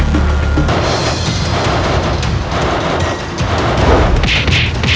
terima kasih rai